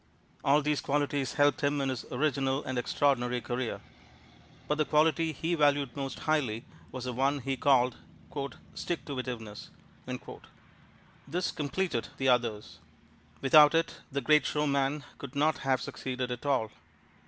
All these qualities helped him in his original and extraordinary career. But the quality he valued most highly was the one he called "stick to it iveness." This completed the others. Without it the great showman could not have succeeded at all.